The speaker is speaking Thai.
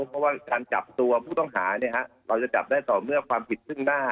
เพราะว่าการจับตัวผู้ต้องหาเราจะจับได้ต่อเมื่อความผิดซึ่งหน้า